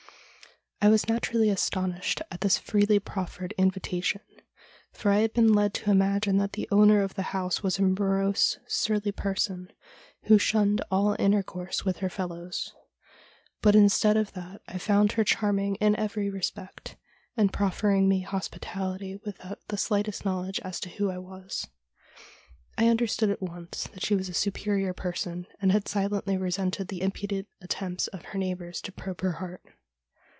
I was naturally astonished at this freely proffered invita tion, for I had been led to imagine that the owner of the house was a morose, surly person, who shunned all inter course with her fellows. But instead of that I found her charming in every respect, and proffering me hospitality without the slightest knowledge as to who I was. I under stood at once that she was a superior person, and had silently resented the impudent attempts of her neighbours to probe her heart.